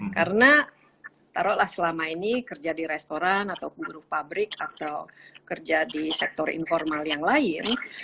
karena taruhlah selama ini kerja di restoran atau guru pabrik atau kerja di sektor informal yang lain